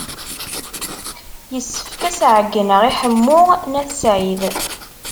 Yessefk ad as-ɛeyyneɣ i Ḥemmu n At Sɛid.